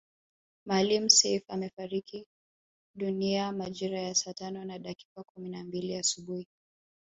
Maalim Seif amefariki dunia majira ya saa tano na dakika kumi na mbili asubuhi